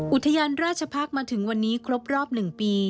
อุทยานราชพักษ์มาถึงวันนี้ครบรอบ๑ปี